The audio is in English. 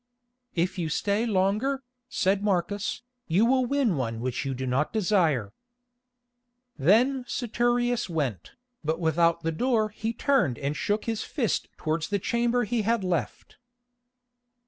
"If you stay longer," said Marcus, "you will win one which you do not desire." Then Saturius went, but without the door he turned and shook his fist towards the chamber he had left.